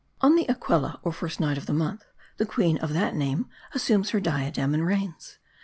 On the Aquella, or First Night of the month, the queen of that name assumes her diadem, and reigns.